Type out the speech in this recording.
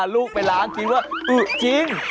ลูกไปล้างคิดว่าอึจริง